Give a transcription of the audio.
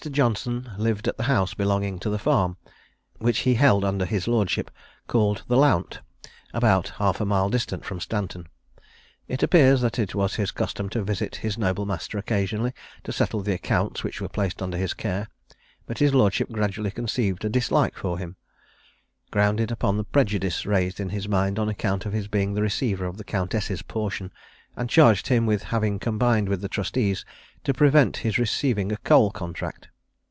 Johnson lived at the house belonging to the farm, which he held under his lordship, called the Lount, about half a mile distant from Stanton. It appears that it was his custom to visit his noble master occasionally, to settle the accounts which were placed under his care; but his lordship gradually conceived a dislike for him, grounded upon the prejudice raised in his mind on account of his being the receiver of the countess' portion, and charged him with having combined with the trustees to prevent his receiving a coal contract.